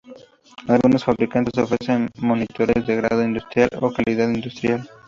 Algunos fabricantes ofrecen monitores de "grado industrial" o "calidad industrial".